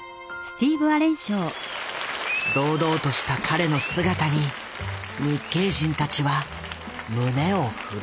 堂々とした彼の姿に日系人たちは胸を震わせた。